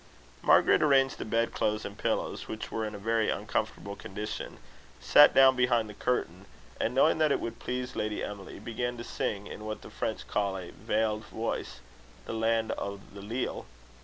Margaret arranged the bedclothes and pillows, which were in a very uncomfortable condition, sat down behind the curtain; and, knowing that it would please Lady Emily, began to sing, in what the French call a veiled voice, The Land o' the Leal.